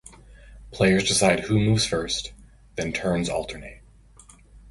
Players decide who moves first, then turns alternate.